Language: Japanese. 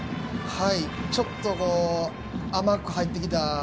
ちょっと甘く入ってきた。